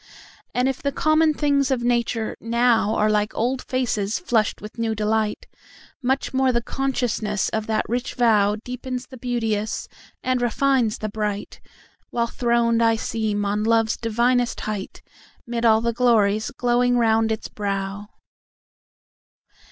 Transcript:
And if the common things of nature nowAre like old faces flushed with new delight, Much more the consciousness of that rich vowDeepens the beauteous, and refines the bright, While throned I seem on love's divinest height'Mid all the glories glowing round its brow.